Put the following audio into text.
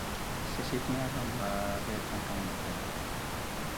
Enfin, l'Institut Aspen a été fondé dans cette ville.